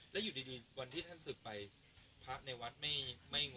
แล้วอยู่ดีวันที่ท่านศึกไปพระในวัดไม่งง